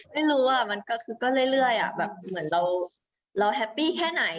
ไม่รู้มันก็เรื่อยเหมือนเราแฮปปี้แค่ไหน